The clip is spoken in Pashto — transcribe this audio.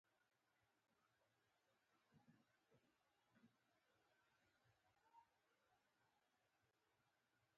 انګور د افغانستان د هیوادوالو لپاره ویاړ دی.